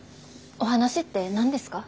お話って何ですか？